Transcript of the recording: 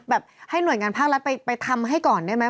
ให้หน่วยงานภาครัฐไปทำให้ก่อนได้ไหม